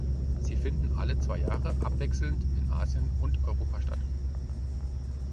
Sie finden alle zwei Jahre abwechselnd in Asien und Europa statt.